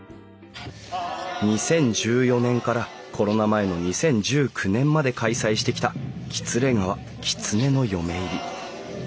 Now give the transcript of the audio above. ２０１４年からコロナ前の２０１９年まで開催してきたきつれ川きつねの嫁入り。